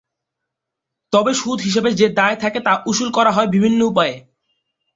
তবে সুদ হিসেবে যে দায় থাকে তা উশুল করা হয় বিভিন্ন উপায়ে।